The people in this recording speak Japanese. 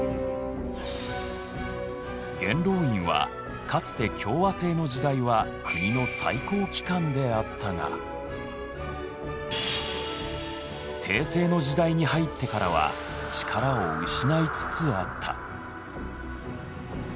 元老院はかつて共和制の時代は国の最高機関であったが帝政の時代に入ってからは力を失いつつあった。